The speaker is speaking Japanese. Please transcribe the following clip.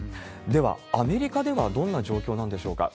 では、アメリカではどんな状況なんでしょうか。